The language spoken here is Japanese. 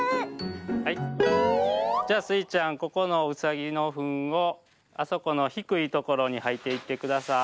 じゃあスイちゃんここのうさぎのふんをあそこのひくいところにはいていってください。